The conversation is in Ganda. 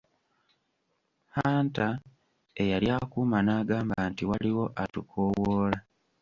Hunter eyali akuuma n'agamba nti waliwo atukoowoola.